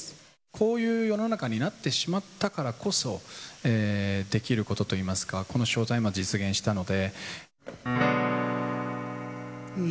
こういう世の中になってしまったからこそ、できることといいますか、このＳＨＯＷＴＩＭＥは実現したので。